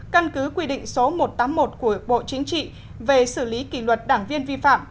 căn cứ quy định số một trăm tám mươi một của bộ chính trị về xử lý kỷ luật đảng viên vi phạm